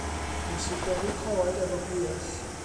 Wnes i dorri coed hefo bwyall.